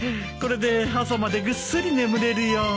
これで朝までぐっすり眠れるよ。